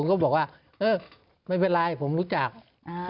ผมก็บอกว่าไม่เป็นไรผมรู้จักนี่